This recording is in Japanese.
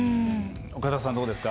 岡田さんどうですか？